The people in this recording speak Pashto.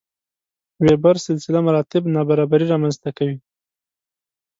وېبر سلسله مراتب نابرابري رامنځته کوي.